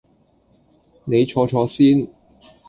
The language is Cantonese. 你坐坐先